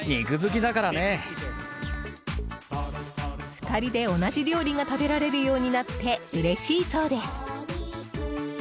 ２人で同じ料理が食べられるようになってうれしいそうです。